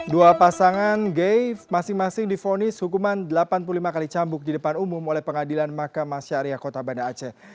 dua pasangan gay masing masing difonis hukuman delapan puluh lima kali cambuk di depan umum oleh pengadilan maka masyariah kota banda aceh